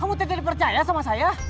kamu tidak dipercaya sama saya